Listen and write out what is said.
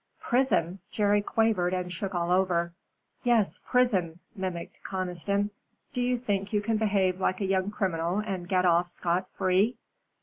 "Prison?" Jerry quavered and shook all over. "Yes, prison," mimicked Conniston. "Do you think you can behave like a young criminal and get off scot free?"